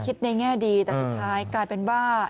ในแง่ดีแต่สุดท้ายกลายเป็นว่า